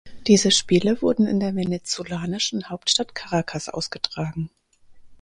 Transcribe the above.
Diese Spiele wurden in der venezolanischen Hauptstadt Caracas ausgetragen.